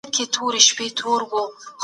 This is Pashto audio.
پوهه د انسان تر ټولو ښه ملګرې ده.